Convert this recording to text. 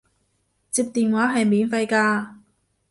接電話係免費㗎